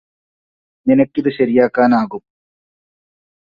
നിനക്കിത് ശരിയാക്കാനാകും